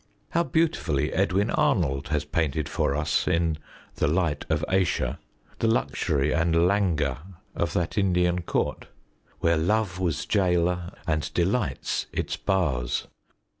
How beautifully Edwin Arnold has painted for us in The Light of Asia the luxury and languor of that Indian Court, "where love was gaoler and delights its bars".